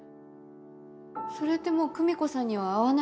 それってもう久美子さんには会わないってことですか？